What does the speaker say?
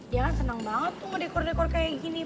dia kan senang banget tuh ngedekor dekor kayak gini